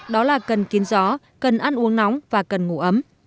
đó là cần kín gió cần ăn uống nóng và cần ngủ ấm